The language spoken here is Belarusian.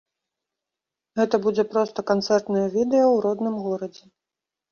Гэта будзе проста канцэртнае відэа ў родным горадзе.